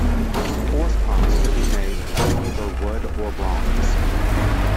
Force pumps could be made of either wood or bronze.